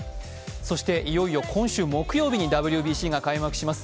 そして、いよいよ今週木曜日にＷＢＣが開幕します。